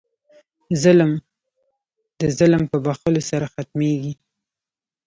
ظلم د ظلم په بښلو سره ختمېږي.